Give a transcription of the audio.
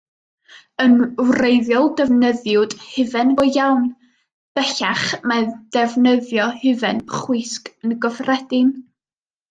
Yn wreiddiol defnyddiwyd hufen go iawn; bellach mae defnyddio hufen chwisg yn gyffredin.